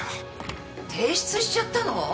提出しちゃったの？